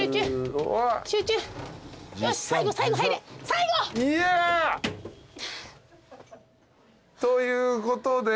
最後！ということで。